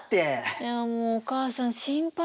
いやもうお母さん心配で心配で。